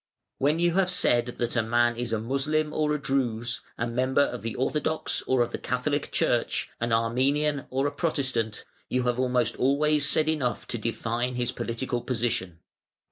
When you have said that a man is a Moslem or a Druse, a member of the Orthodox or of the Catholic Church, an Armenian or a Protestant, you have almost always said enough to define his political position.